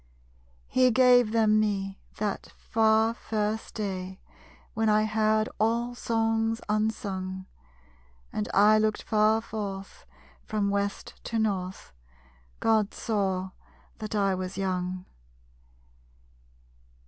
_He gave them me, that far, first day When I heard all Songs unsung. And I looked far forth, from west to north. God saw that I was young!